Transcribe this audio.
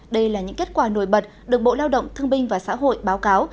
đây là những kết quả nổi bật được bộ lao động thương binh và xã hội báo cáo